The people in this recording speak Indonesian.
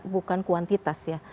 bukan kuantitas ya